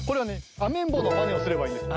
アメンボのまねをすればいいです。